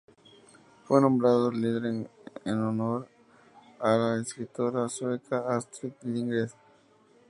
Fue nombrado Lindgren en honor a la escritora sueca Astrid Lindgren.